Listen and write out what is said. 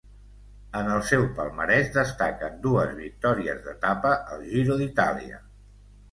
En el seu palmarès destaquen dues victòries d'etapa al Giro d'Itàlia.